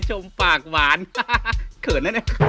เขินแล้วเนี่ย